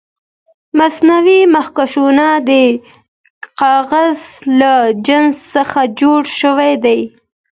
مصنوعي مخکشونه د کاغذ له جنس څخه جوړ شوي دي.